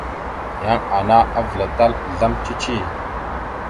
Yan ana avəlatal azlam cici.